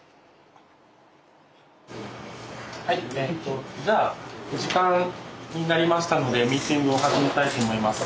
はいえっとじゃあ時間になりましたのでミーティングを始めたいと思います。